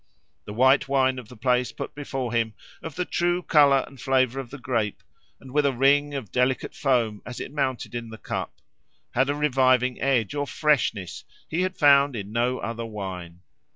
The white wine of the place put before him, of the true colour and flavour of the grape, and with a ring of delicate foam as it mounted in the cup, had a reviving edge or freshness he had found in no other wine.